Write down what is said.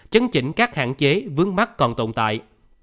chấn chỉnh các hạn chế vướng mắt còn tồn tại